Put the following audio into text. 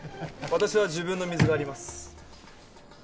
私は自分の水があります